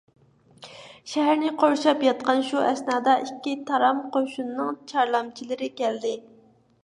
شەھەرنى قورشاپ ياتقان شۇ ئەسنادا ئىككى تارام قوشۇننىڭ چارلامچىلىرى كەلدى.